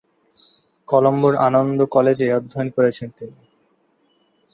কলম্বোর আনন্দ কলেজে অধ্যয়ন করেছেন তিনি।